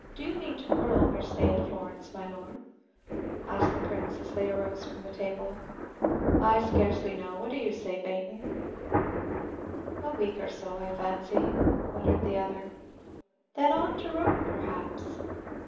"Do you mean to prolong your stay at Florence, my Lord?" asked the Prince, as they arose from the table. "I scarcely know. What do you say, Baynton?" "A week or so, I fancy," muttered the other. "And then on to Rome, perhaps?"